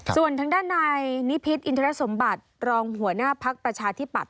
ส่วนทางด้านนายนิพิษอินทรสมบัติรองหัวหน้าภักดิ์ประชาธิปัตย